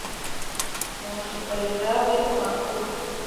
Municipalidad de Macul